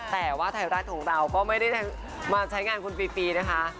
แต่ว่าไทยรัฐของเราก็ไม่ได้มาใช้งานคุณฟรีนะคะ